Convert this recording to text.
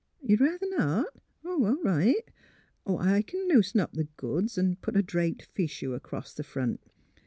.. You'd ruther not ? Oh, all right, I c'n loosen up th' goods an' put a draped fichu across th' front.